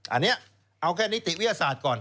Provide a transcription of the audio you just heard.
อันนี้เอาแค่นิติวิทยาศาสตร์ก่อน